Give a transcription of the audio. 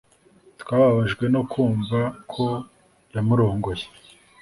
Twababajwe no kumva ko yamurongoye